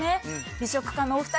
美食家のお二人